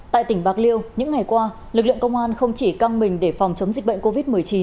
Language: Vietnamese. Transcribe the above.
tại tỉnh bạc liêu những ngày qua lực lượng công an không chỉ căng mình để phòng chống dịch bệnh covid một mươi chín